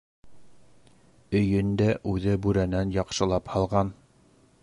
Өйөн дә үҙе бүрәнәнән яҡшылап һалған.